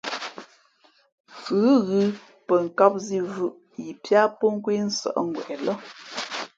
Fʉ ghʉ pαkām zī vʉ̄ʼʉ yi piá pō nkwé nsᾱʼ ngweʼ lά.